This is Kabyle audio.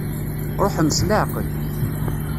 Ṛuḥem s leɛqel.